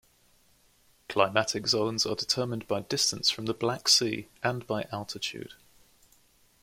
Climatic zones are determined by distance from the Black Sea and by altitude.